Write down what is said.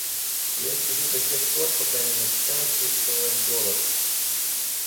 Я сижу до тех пор, пока не начинаю чувствовать голод.